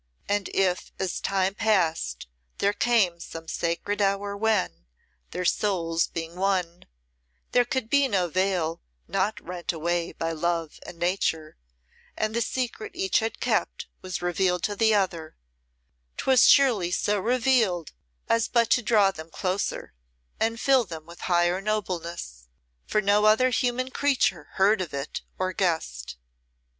And if as time passed there came some sacred hour when, their souls being one, there could be no veil not rent away by Love and Nature, and the secret each had kept was revealed to the other, 'twas surely so revealed as but to draw them closer and fill them with higher nobleness, for no other human creature heard of it or guessed.